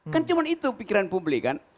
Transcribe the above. kan cuma itu pikiran publik kan